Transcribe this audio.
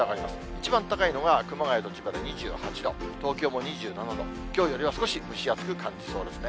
一番高いのが、熊谷と千葉で２８度、東京も２７度、きょうよりは少し蒸し暑く感じそうですね。